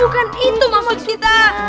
bukan itu maksud kita